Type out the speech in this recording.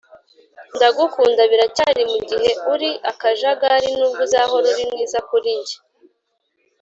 ndagukunda biracyari mugihe uri akajagari (nubwo uzahora uri mwiza kuri njye)